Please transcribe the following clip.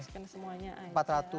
masukin semuanya aja